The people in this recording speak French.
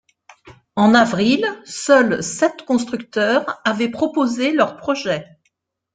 En avril, seul sept constructeurs avaient proposé leurs projets.